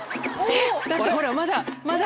だってほらまだ！